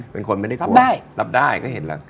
เป็นคนไม่ได้พูดรับได้ก็เห็นแล้ว